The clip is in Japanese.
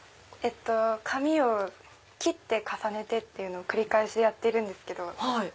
紙を切って重ねてっていうのを繰り返しやってるんです。